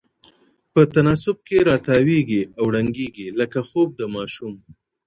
په تناسب کې راتاویږي او ړنګیږي لکه خوب د ماشوم